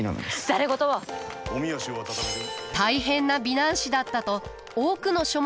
大変な美男子だったと多くの書物に書かれています。